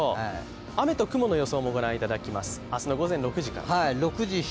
雨と雲の予想も御覧いただきます。